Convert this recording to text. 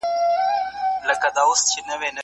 هر باسواده وګړی باید کتاب ولولي.